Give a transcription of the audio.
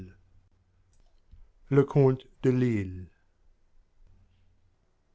— Leconte de Lisle.